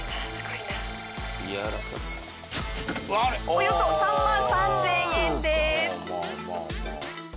およそ３万３０００円です。